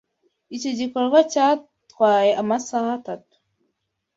Iki gikorwa cyatwaye amasaha atatu.